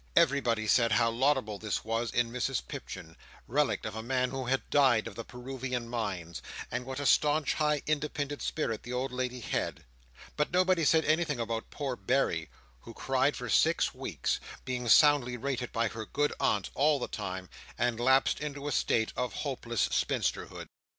Everybody said how laudable this was in Mrs Pipchin, relict of a man who had died of the Peruvian mines; and what a staunch, high, independent spirit the old lady had. But nobody said anything about poor Berry, who cried for six weeks (being soundly rated by her good aunt all the time), and lapsed into a state of hopeless spinsterhood.